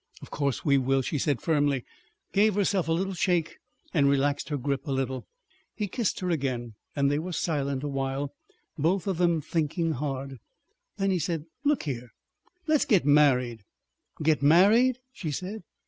"Of course we will," she said firmly, gave herself a little shake, and relaxed her grip a little. He kissed her again, and they were silent a while, both of them thinking hard. Then he said: "Look here: let's get married." "Get married?" she said.